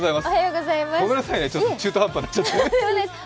ごめんなさいね、ちょっと中途半端になっちゃってね。